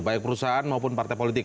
baik perusahaan maupun partai politik